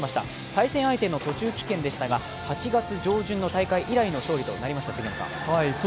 対戦相手の途中棄権でしたが８月上旬の大会以来の勝利となりました。